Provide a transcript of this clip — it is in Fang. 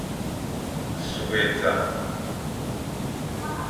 Sughʼé zame,